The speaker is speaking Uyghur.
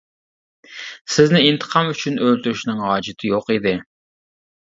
سىزنى ئىنتىقام ئۈچۈن ئۆلتۈرۈشنىڭ ھاجىتى يوق ئىدى.